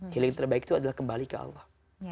healing terbaik itu adalah kembali ke allah